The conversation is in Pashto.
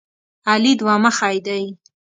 علي دوه مخی دی.